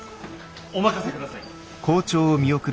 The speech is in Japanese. お任せください。